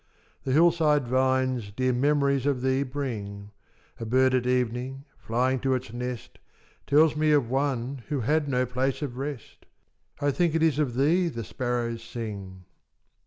The hillside vines dear memories of Thee bring: A bird at evening flying to its nest Tells me of One who had no place of rest: I think it is of Thee the sparrows sing.